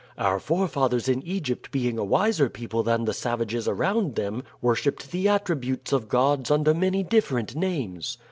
Our forefathers in Egypt being a wiser people than the savages around them, worshiped the attributes of gods under many different names.